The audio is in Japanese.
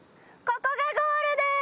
ここがゴールです。